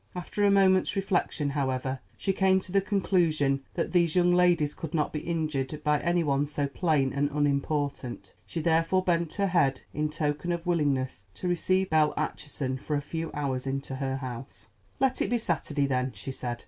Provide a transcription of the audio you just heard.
After a moment's reflection, however, she came to the conclusion that these young ladies could not be injured by any one so plain and unimportant. She therefore bent her head in token of willingness to receive Belle Acheson for a few hours into her house. "Let it be Saturday, then," she said.